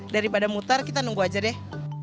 daripada muter kita nunggu aja deh